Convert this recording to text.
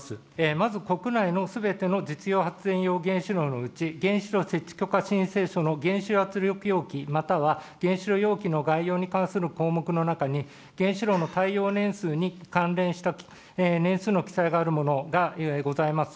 まず国内のすべての実用発電原子炉のうち原子炉設置許可申請書の原子炉圧力容器、またはの項目の中に、原子炉の耐用年数に関連した年数の記載があるものがございます。